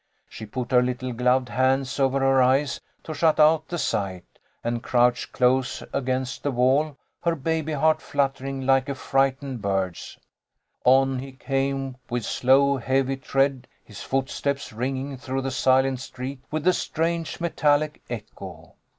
She put her little gloved hands over her eyes to shut out the sight, and crouched close against the wall, her baby heart fluttering like a frightened bird's. On he came, with slow, heavy tread, his footsteps ringing through the silent street with a strange metallic echo.